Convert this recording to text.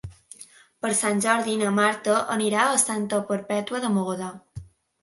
Per Sant Jordi na Marta irà a Santa Perpètua de Mogoda.